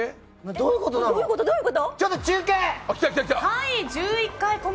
どういうことなの。